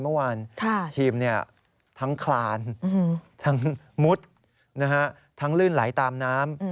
เมื่อวานทีมทั้งคลานทั้งมุดทั้งลื่นไหลตามน้ำ